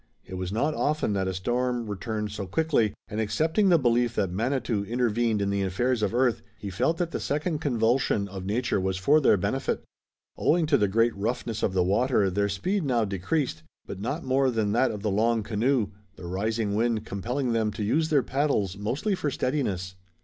It was not often that a storm returned so quickly, and accepting the belief that Manitou intervened in the affairs of earth, he felt that the second convulsion of nature was for their benefit. Owing to the great roughness of the water their speed now decreased, but not more than that of the long canoe, the rising wind compelling them to use their paddles mostly for steadiness.